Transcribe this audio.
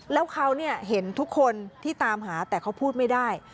แล้วเขาเห็นทุกคนที่ตามหาแต่เขาพูดไม่ได้